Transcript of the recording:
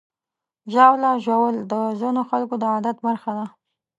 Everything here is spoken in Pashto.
ژاوله ژوول د ځینو خلکو د عادت برخه ده.